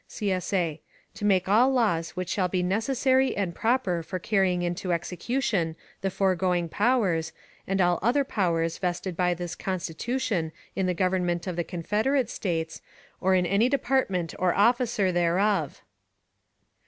[CSA] To make all laws which shall be necessary and proper for carrying into execution the foregoing powers, and all other powers vested by this Constitution in the Government of the Confederate States, or in any department or officer thereof.